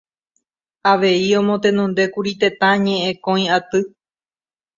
Avei omotenondékuri Tetã Ñe'ẽkõi Aty